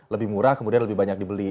lebih murah kemudian lebih banyak dibeli